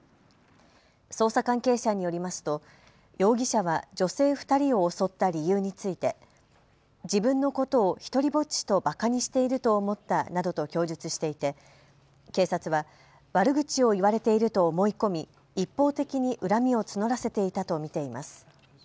捜査関係者によりますと容疑者は女性２人を襲った理由について自分のことを独りぼっちとばかにしていると思ったなどと供述していて警察は悪口を言われていると思い込み一方的に恨みを募らせていたと見ています。